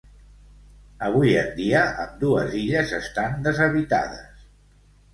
Avui en dia, ambdues illes estan deshabitades.